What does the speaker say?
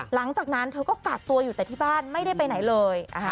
หลังจากนั้นเธอก็กักตัวอยู่แต่ที่บ้านไม่ได้ไปไหนเลย